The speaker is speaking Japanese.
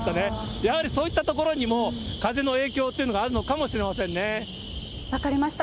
やはりそういったところにも、風の影響っていうのがあるのかもし分かりました。